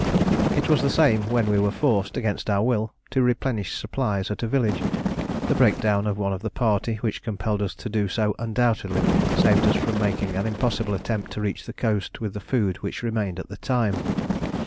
It was the same when we were forced, against our will, to replenish supplies at a village; the breakdown of one of the party which compelled us to do so undoubtedly saved us from making an impossible attempt to reach the coast with the food which remained at the time.